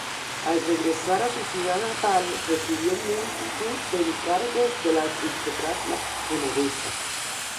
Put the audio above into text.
Al regresar a su ciudad natal, recibió multitud de encargos de la aristocracia genovesa.